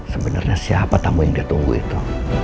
sebenarnya siapa tamu yang dia tunggu itu